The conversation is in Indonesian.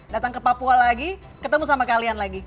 datang ke papua lagi ketemu sama kalian lagi